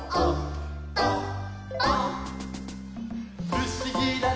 「ふしぎだね」